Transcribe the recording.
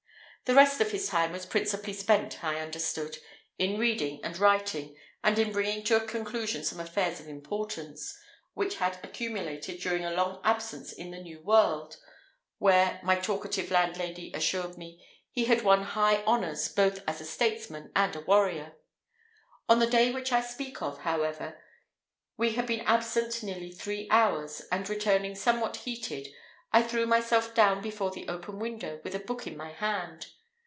The rest of his time was principally spent, I understood, in reading and writing, and in bringing to a conclusion some affairs of importance, which had accumulated during a long absence in the New World, where, my talkative landlady assured me, he had won high honours both as a statesman and a warrior. On the day which I speak of, however, we had been absent nearly three hours, and, returning somewhat heated, I threw myself down before the open window, with a book in my hand.